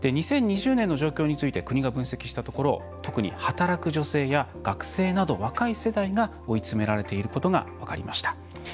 ２０２０年の状況について国が分析したところ特に働く女性や学生など若い世代が追い詰められていることが分かりました。